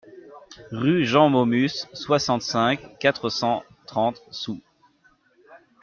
Rue Jean Maumus, soixante-cinq, quatre cent trente Soues